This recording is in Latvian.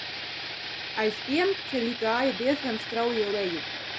Aiz tiem ceļš gāja diezgan strauji lejup.